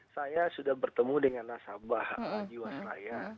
saya sudah bertemu dengan nasabah jiwasraya